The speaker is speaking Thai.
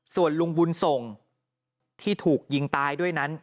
ส่วนลุงบุญส่งที่ถูกยิงตายด้วยนั้น